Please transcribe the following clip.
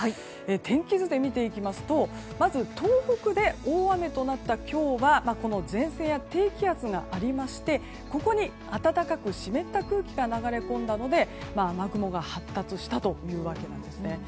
天気図で見ていきますとまず東北で大雨となった今日はこの前線や低気圧がありましてここに暖かく湿った空気が流れ込んだので雨雲が発達したというわけなんですね。